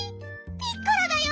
ピッコラだよ！